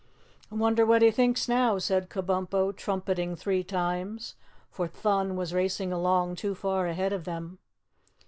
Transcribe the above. "I wonder what he thinks now?" said Kabumpo, trumpeting three times, for Thun was racing along too far ahead of them.